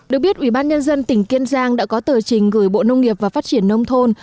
được biết ubnd tỉnh kiên giang đã có tờ trình gửi bộ nông nghiệp và phát triển nông thôn